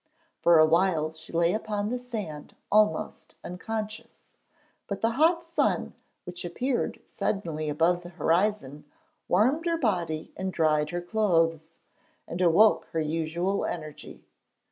For a while she lay upon the sand almost unconscious, but the hot sun which appeared suddenly above the horizon warmed her body and dried her clothes, and awoke her usual energy.